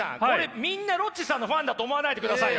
みんなロッチさんのファンだと思わないでくださいよ！